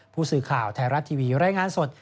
ผู้สื่อข่าวไทยรัฐทีวีรายงานสด